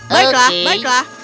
baiklah baiklah baiklah